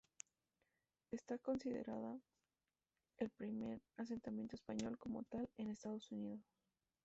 Está considerada el primer asentamiento español, como tal, en Estados Unidos.